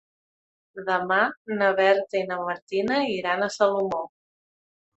Demà na Berta i na Martina iran a Salomó.